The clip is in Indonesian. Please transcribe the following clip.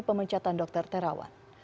untuk mencatat dokter terawan